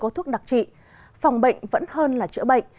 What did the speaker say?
có thuốc đặc trị phòng bệnh vẫn hơn là chữa bệnh